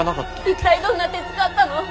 一体どんな手使ったの？